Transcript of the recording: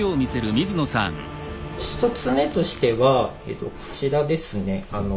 一つ目としてはこちらですね。